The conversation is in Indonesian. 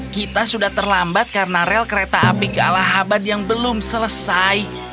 kita sudah terlambat karena rel kereta api ke alahabad yang belum selesai